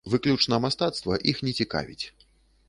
Выключна мастацтва іх не цікавіць.